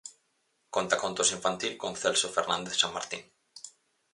Contacontos infantil con Celso Fernández Sanmartín.